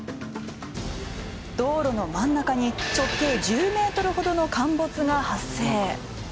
道路の真ん中に直径１０メートルほどの陥没が発生。